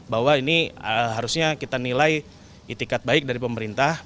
bahwa ini harusnya kita nilai itikat baik dari pemerintah